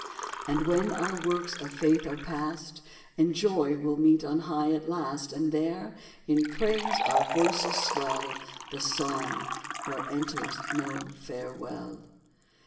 And when our works of faith are past, In joy we 'll meet on high at last; And there, in praise, our voices swell The song, where enters no farewell.